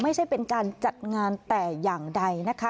ไม่ใช่เป็นการจัดงานแต่อย่างใดนะคะ